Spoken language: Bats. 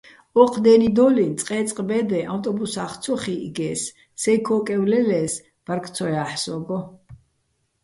ოჴ დე́ნიდო́ლიჼ წყე́წყ ბე́დეჼ ავტობუსახ ცო ხიჸგეს, სეჲ ქოკევ ლელე́ს ბარგ ცო ჲაჰ̦ე̆ სოგო̆.